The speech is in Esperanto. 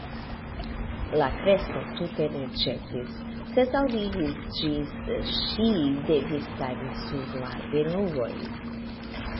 La kresko tute ne ĉesis, sed daŭradis ĝis ŝi devis stari sur la genuoj.